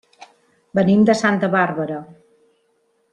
Venim de Santa Bàrbara.